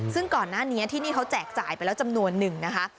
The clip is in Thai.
ซึ่งก่อนหน้านี้ที่นี่เขาแจกจ่ายไปแล้วจำนวนหนึ่งนะคะ